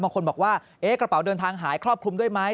บางคนบอกว่ากระเป๋าเดินทางหายครอบคลุมด้วยไหม